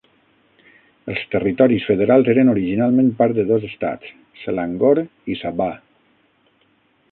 Els territoris federals eren originalment part de dos estats: Selangor i Sabah.